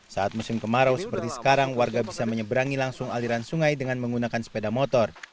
saat musim kemarau seperti sekarang warga bisa menyeberangi langsung aliran sungai dengan menggunakan sepeda motor